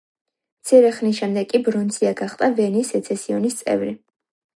მცირე ხნის შემდეგ კი ბრონცია გახდა ვენის სეცესიონის წევრი.